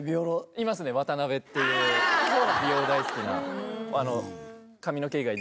いますね渡辺っていう美容大好きな。